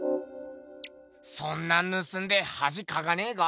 そんなんぬすんではじかかねぇか？